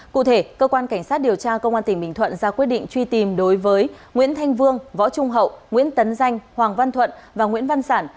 cụ thể cơ quan cảnh sát điều tra công an tỉnh bình thuận ra quyết định truy tìm đối với nguyễn thanh vương võ trung hậu nguyễn tấn danh hoàng văn thuận và nguyễn văn sản